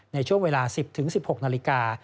ในช่วงเวลา๑๐๑๖นาฬิกา